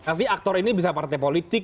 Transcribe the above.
nanti aktor ini bisa partai politik